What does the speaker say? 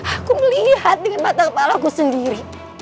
aku melihat dengan mata kepala aku sendiri